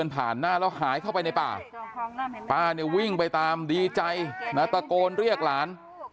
ป้านี่วิ่งไปตามดีใจณตกลเรียกหลาน